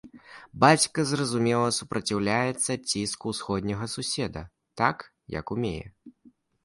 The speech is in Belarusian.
Бацька, зразумела, супраціўляецца ціску ўсходняга суседа так, як умее.